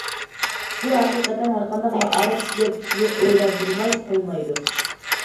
بۇ ھەقىقەتەن ھەرقانداق مائارىپ سۆيەر كىشىنى ئويلاندۇرماي قويمايدۇ.